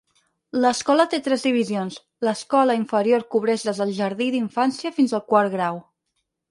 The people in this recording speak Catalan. L'escola té tres divisions: l'escola inferior cobreix des del jardí d'infància fins al quart grau.